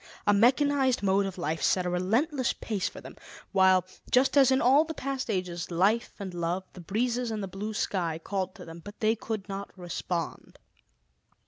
A mechanized mode of life set a relentless pace for them, while, just as in all the past ages, life and love, the breezes and the blue sky called to them; but they could not respond.